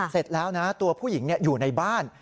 เสร็จแล้วนะตัวผู้หญิงอยู่ในบ้าน